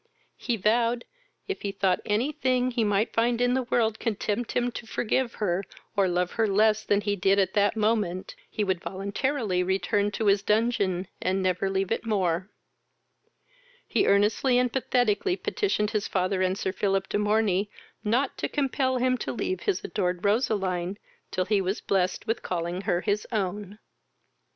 He vowed, if he thought any thing he might find in the world could tempt him to forgive her, or love her less than he did at that moment, he would voluntarily return to his dungeon, and never leave it more: he earnestly and pathetically petitioned his father and Sir Philip de Morney not to compel him to leave his adored Roseline till he was blessed with calling her his own.